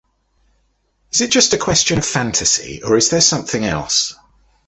Is it just a question of fantasy or is there something else?